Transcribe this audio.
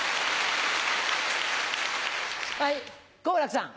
はい好楽さん。